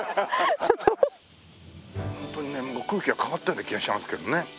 ホントにね空気が変わったような気がしますけどね。